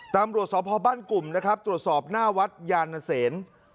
ตำรวจสพบ้านกลุ่มนะครับตรวจสอบหน้าวัดยานเสน